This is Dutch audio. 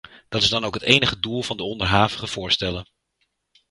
Dat is dan ook het enige doel van de onderhavige voorstellen.